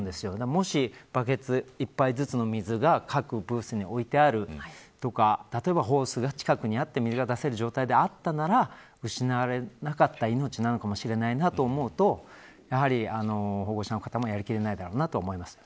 もし、バケツ１杯ずつの水が各ブースに置いてあるとか例えばホースが近くにあって水が出せる状態だったなら失われなかった命なのかもしれないと思うとやはり保護者の方もやりきれないだろうな